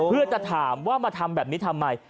เพื่อจะถามว่ามาทำแบบนี้ทำไม